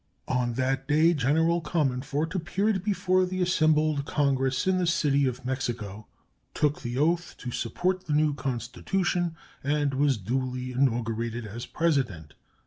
On that day General Comonfort appeared before the assembled Congress in the City of Mexico, took the oath to support the new constitution, and was duly inaugurated as President.